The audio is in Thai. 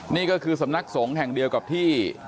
นี่ก็คือสำนักสงฆ์แห่งเดียวกับที่